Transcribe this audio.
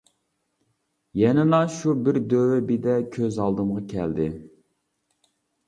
يەنىلا شۇ بىر دۆۋە بېدە كۆز ئالدىمغا كەلدى.